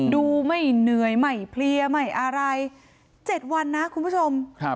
ไม่เหนื่อยไม่เพลียไม่อะไร๗วันนะคุณผู้ชม